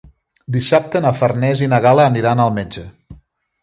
Dissabte na Farners i na Gal·la aniran al metge.